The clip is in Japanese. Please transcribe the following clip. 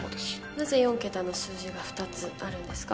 なぜ４ケタの数字が２つあるんですか？